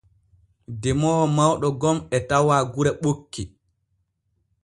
Demoowo mawɗo gom e tawa gure ɓokki.